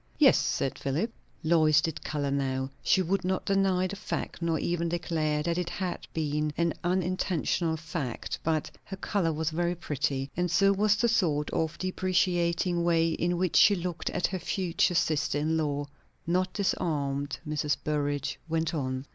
"Yes," said Philip. Lois did colour now; she could not deny the fact, nor even declare that it had been an unintentional fact; but her colour was very pretty, and so was the sort of deprecating way in which she looked at her future sister in law. Not disarmed, Mrs. Burrage went on.